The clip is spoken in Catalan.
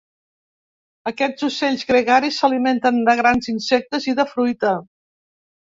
Aquests ocells gregaris s'alimenten de grans insectes i de fruita.